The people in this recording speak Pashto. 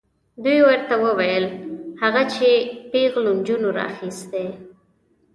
دوی ورته وویل هغه چې پیغلو نجونو راخیستې.